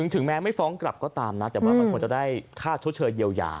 ถึงแม้ไม่ฟ้องกลับก็ตามนะแต่ว่ามันควรจะได้ค่าชดเชยเยียวยา